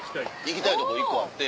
行きたいとこ１個あって。